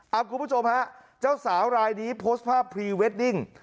เอาคุณผู้ชมฮะเจ้าสาวรายนี้โพสต์ภาพพรีเวดดิ้ง